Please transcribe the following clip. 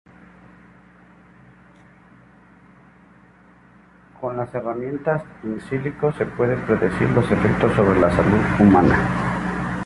Con las herramientas in silico se pueden predecir los efectos sobre la salud humana.